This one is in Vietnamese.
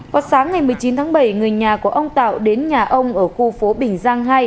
vào sáng ngày một mươi chín tháng bảy người nhà của ông tạo đến nhà ông ở khu phố bình giang hai